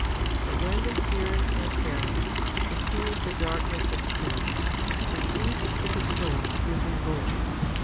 But when the spiritual Pharaoh, the king of the darkness of sin, perceives that the soul is in revolt and 1 Ps.